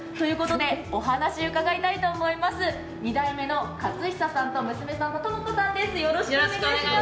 お話伺いたいと思います、二代目の克久さんと娘さんの朋子さんです。